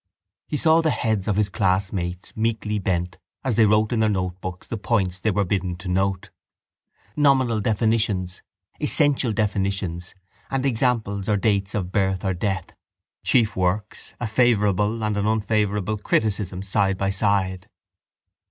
He saw the heads of his classmates meekly bent as they wrote in their notebooks the points they were bidden to note, nominal definitions, essential definitions and examples or dates of birth or death, chief works, a favourable and an unfavourable criticism side by side.